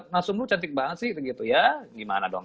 nasum lu cantik banget sih gitu ya gimana dong